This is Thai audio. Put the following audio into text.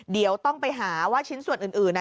เดี๋ยวต้องไปหาว่าชิ้นส่วนอื่น